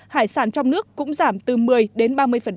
hải sản trong nước cũng giảm từ một mươi đến ba mươi